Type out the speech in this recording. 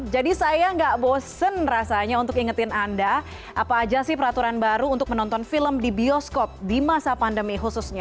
jadi saya gak bosen rasanya untuk ingetin anda apa aja sih peraturan baru untuk menonton film di bioskop di masa pandemi khususnya